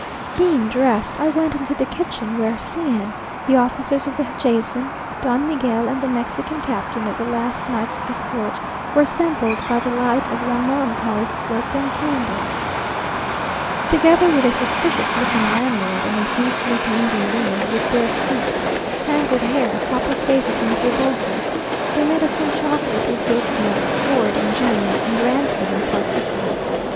Being dressed, I went into the kitchen, where C n, the officers of the Jason, Don Miguel, and the Mexican captain of the last night's escort, were assembled by the light of one melancholy sloping candle, together with a suspicious looking landlord, and a few sleepy Indian women with bare feet, tangled hair, copper faces and reboses. They made us some chocolate with goat's milk, horrid in general, and rancid in particular.